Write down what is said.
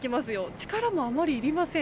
力もあまりいりません。